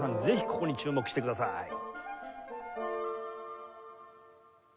ぜひここに注目してください。